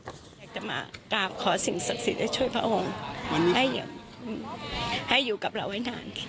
โดยตลอดจะมากราบขอสิ่งศักดิ์สิทธิ์ช่วยพระองค์ให้อยู่กับเราไว้นาน